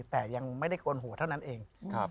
แต่ยังไม่ได้โกนหัวเท่านั้นเอง